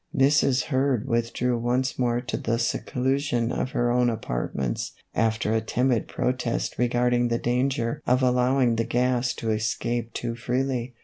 Mrs. Hurd withdrew once more to the seclusion of her own apartments, after a timid protest regard ing the danger of allowing the gas to escape too freely.